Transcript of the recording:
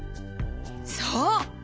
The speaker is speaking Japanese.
そう！